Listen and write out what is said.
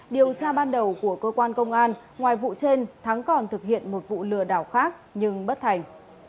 điều tra ban đầu của cơ quan công an ngoài vụ trên thắng còn thực hiện một vụ lừa đảo khác nhưng bất thành